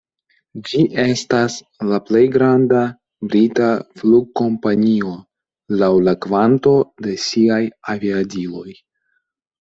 Ĝi estas la plej granda brita flugkompanio laŭ la kvanto de siaj aviadiloj.